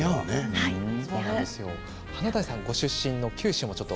華大さんご出身の九州も。